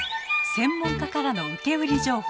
専門家からの受け売り情報。